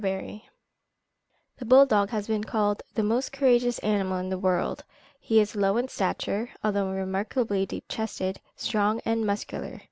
BARRY. The bull dog has been called the most courageous animal in the world. He is low in stature, although remarkably deep chested, strong, and muscular.